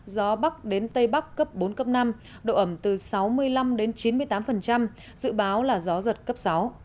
gió bắc đến tây bắc cấp bốn cấp năm độ ẩm từ sáu mươi năm đến chín mươi tám dự báo là gió giật cấp sáu